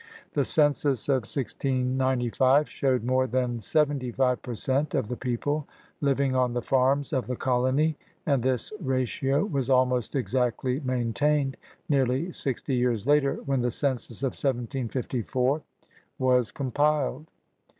The census of 1695 showed more than seventy five per cent of the people living on the farms of the colony and this ratio was almost exactly maintainedy nearly sixty years later, when the census of 1754 182 CRUSADERS OP NEW FRANCE was compiled.